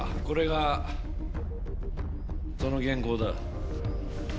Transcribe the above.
これがその原稿だ。